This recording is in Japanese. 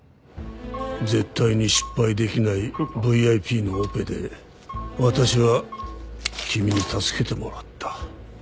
絶対に失敗できないＶＩＰのオペで私は君に助けてもらった。